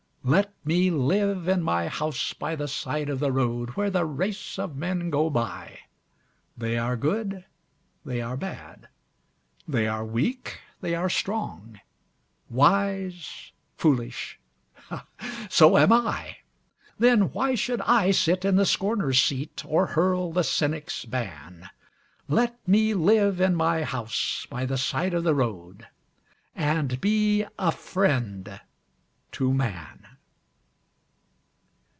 Let me live in my house by the side of the road, Where the race of men go by They are good, they are bad, they are weak, they are strong, Wise, foolish so am I. Then why should I sit in the scorner's seat, Or hurl the cynic's ban? Let me live in my house by the side of the road And be a friend to man.